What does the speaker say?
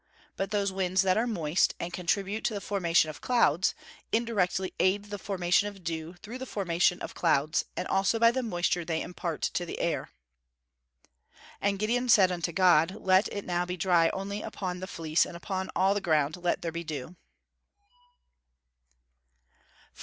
But those winds that are moist, and contribute to the formation of clouds, indirectly aid the formation of dew through the formation of clouds, and also by the moisture they impart to the air. [Verse: "And Gideon said unto God, Let it now be dry only upon the fleece, and upon all the ground let there be dew."